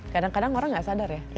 kadang kadang orang nggak sadar ya